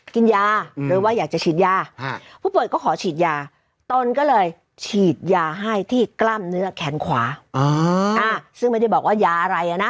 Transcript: ก็เลยฉีดยาให้ที่กล้ามเนื้อแขนขวาอ๋ออ่าซึ่งไม่ได้บอกว่ายาอะไรอ่ะน่ะ